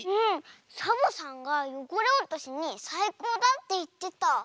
サボさんがよごれおとしにさいこうだっていってた。